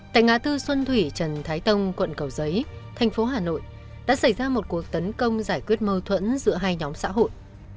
tại ngã tư xuân thủy trần thái tông quận cầu giấy thành phố hà nội đã xảy ra một cuộc tấn công giải quyết mâu thuẫn giữa hai nhóm xã hội